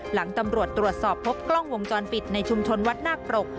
หลังตำรวจตรวจสอบพบกล้องวงจรปิดในชุมชนวัดนาคปรก